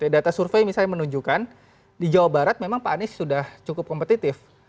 data survei misalnya menunjukkan di jawa barat memang pak anies sudah cukup kompetitif